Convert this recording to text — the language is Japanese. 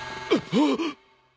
あっ！